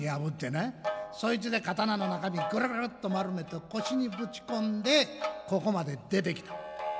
そいつで刀の中身グルグルッと丸めて腰にぶち込んでここまで出てきた」。